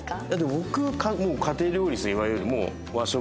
僕家庭料理ですよいわゆるもう和食。